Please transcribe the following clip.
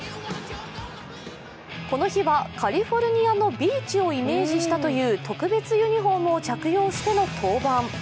この日は、カリフォルニアのビーチをイメージしたという特別ユニフォームを着用しての登板。